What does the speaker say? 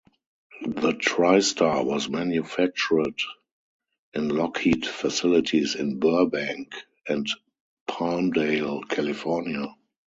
The TriStar was manufactured in Lockheed facilities in Burbank and Palmdale, California.